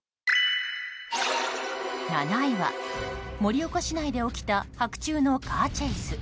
７位は盛岡市内で起きた白昼のカーチェイス。